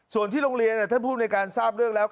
ส่วนที่โรงเรียนท่านผู้ในการทราบเรื่องแล้ว